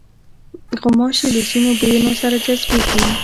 غوماشې له ځینو بویونو سره جذبېږي.